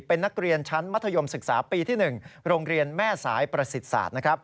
เป็นนักเรียนชั้นมัธยมศึกษาปีที่๑โรงเรียนแม่สายประสิทธิ์ศาสตร์